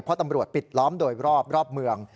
เพราะตำรวจปิดล้อมโดยรอบรอบเมือง